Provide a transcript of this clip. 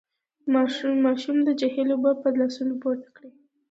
ماشوم د جهيل اوبه په لاسونو پورته کړې.